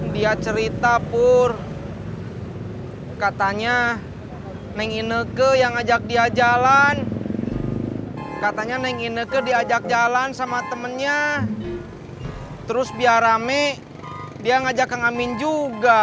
dia cerita pur katanya nengineke yang ngajak dia jalan katanya nengineke diajak jalan sama temennya terus biar rame dia ngajak kang amin juga